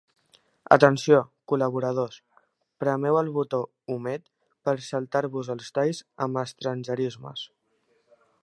Atenció, col·laboradors: premeu el botó 'omet' per saltar-vos els talls amb estrangerismes.